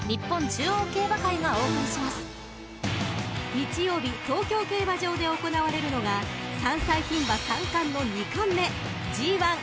［日曜日東京競馬場で行われるのが３歳牝馬３冠の２冠目］